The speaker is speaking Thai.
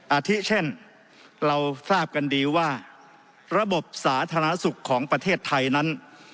อาทิเช่นเราทราบกันดีว่าระบบสาธารณสุขของประเทศไทยนั้น